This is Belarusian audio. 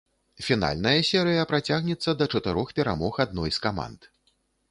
Фінальная серыя працягнецца да чатырох перамог адной з каманд.